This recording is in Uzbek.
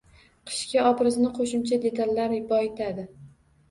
Qishki obrazni qo‘shimcha detallar boyitadi